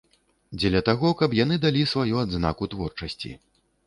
Дзеля таго, каб яны далі сваю адзнаку творчасці.